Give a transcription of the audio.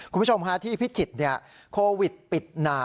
คุณผู้ชมที่พิจิตรโควิดปิดหนา